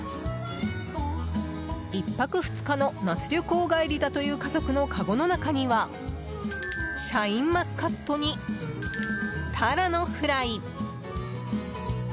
１泊２日の那須旅行帰りだという家族のかごの中にはシャインマスカットにタラのフライ。